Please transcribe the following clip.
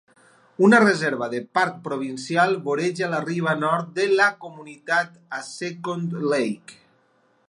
Una reserva de parc provincial voreja la riba nord de la comunitat a Second Lake.